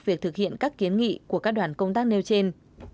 việc thực hiện các kiến nghị của các đoàn công tác nêu trên